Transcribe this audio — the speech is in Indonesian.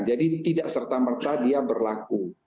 jadi tidak serta merta dia berlaku